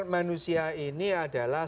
manusia ini adalah